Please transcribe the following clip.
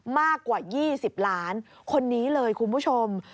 มากกว่า๒๐ล้านคนนี้เลยคุณผู้ชม